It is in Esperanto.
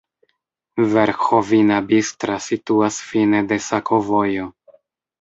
Verĥovina-Bistra situas fine de sakovojo.